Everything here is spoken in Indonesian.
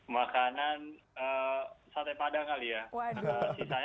makanan sate padang kali ya